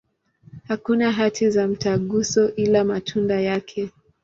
Hakuna hati za mtaguso, ila matunda yake.